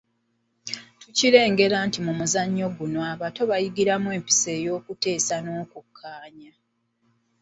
Tukirengera nti mu muzannyo guno abato bayigiramu empisa ey’okuteesa n’okukkaanya.